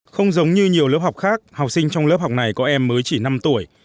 không giống như nhiều lớp học khác học sinh trong lớp học này có em mới chỉ năm tuổi